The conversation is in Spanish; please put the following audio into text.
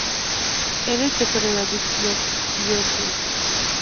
Era la chofer de David Lloyd George.